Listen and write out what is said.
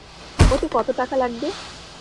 ওতে কত টাকা লাগবে?